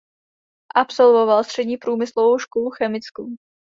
Absolvoval střední průmyslovou školu chemickou.